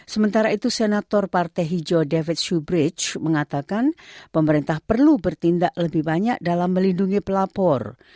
sementara itu senator partai hijau david subridge mengatakan pemerintah perlu bertindak lebih banyak dalam melindungi pelapor